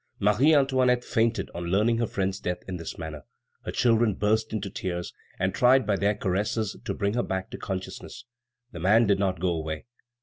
Marie Antoinette fainted on learning her friend's death in this manner. Her children burst into tears and tried by their caresses to bring her back to consciousness. The man did not go away.